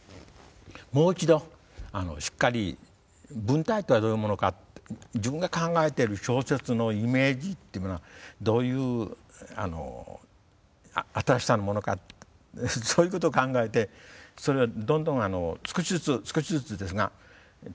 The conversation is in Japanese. もう一度しっかり文体とはどういうものかって自分が考えてる小説のイメージっていうものはどういう新しさのものかってそういうことを考えてどんどん少しずつ少しずつですが作り替えていくんです。